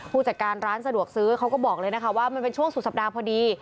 ผู้จัดการร้านสะดวกซื้อเขาก็บอกเลยนะคะว่ามันเป็นช่วงสุดสัปดาห์พอดี